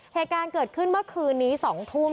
เหตุการณ์เกิดขึ้นเมื่อคืนนี้๒ทุ่ม